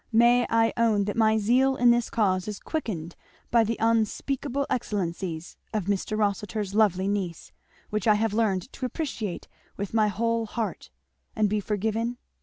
May I own that my zeal in this cause is quickened by the unspeakable excellencies of Mr. Rossitur's lovely niece which I have learned to appreciate with my whole heart and be forgiven?